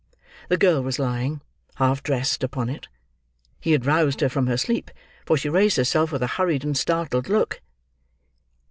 The girl was lying, half dressed, upon it. He had roused her from her sleep, for she raised herself with a hurried and startled look.